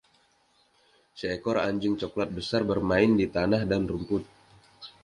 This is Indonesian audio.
Seekor anjing cokelat besar bermain di tanah dan rumput.